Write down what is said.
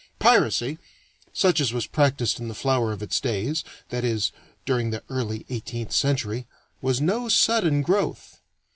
Piracy, such as was practiced in the flower of its days that is, during the early eighteenth century was no sudden growth.